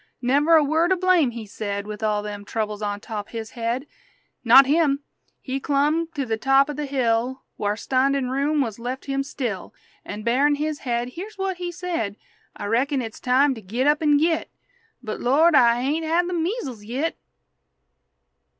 Never a word o' blame he said, With all them troubles on top his head! Not him.... He clumb to the top o' the hill Whar' standin' room wuz left him still, An', barin' his head, here's what he said: "I reckon it's time to git up an' git; But, Lord, I hain't had the measels yit!"